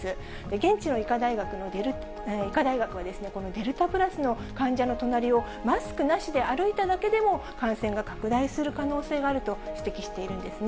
現地の医科大学はこのデルタプラスの患者の隣をマスクなしで歩いただけでも、感染が拡大する可能性があると指摘しているんですね。